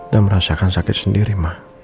dan merasakan sakit sendiri ma